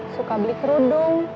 suka beli kerudung